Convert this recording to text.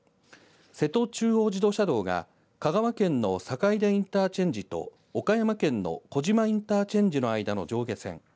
瀬戸中央自動車道が香川県の坂出インターチェンジと岡山県の児島インターチェンジの間の上下線。